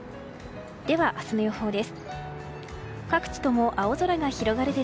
では明日の予報です。